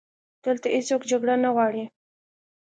دلته هیڅوک جګړه نه غواړي